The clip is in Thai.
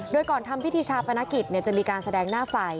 โดยก่อนทำพิธีชาพนักกิจเนี่ยจะมีการแสดงหน้าฝ่าย